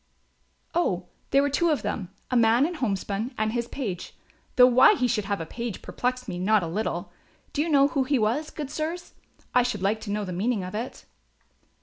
"Oh, there were two of them, a man in homespun and his page, though why he should have a page perplexed me not a little. Do you know who he was, good sirs, I should like to know the meaning of it?"